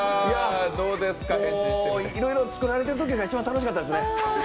いろいろ作られているときが一番楽しかったですね。